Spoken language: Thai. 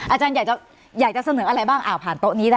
อาจารย์อยากจะเสนออะไรบ้างผ่านโต๊ะนี้ได้